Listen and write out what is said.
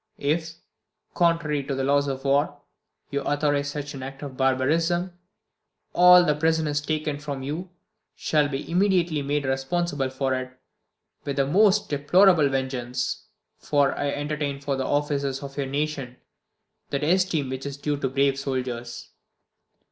If, contrary to the laws of war, you authorise such an act of barbarism, all the prisoners taken from you shall be immediately made responsible for it with the most deplorable vengeance, for I entertain for the officers of your nation that esteem which is due to brave soldiers.